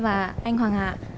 và anh hoàng hạ